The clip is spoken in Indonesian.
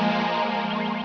acing kos di rumah aku